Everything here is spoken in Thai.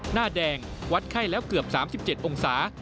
หน้าแดงวัดไข้แล้วเกือบ๓๗องศา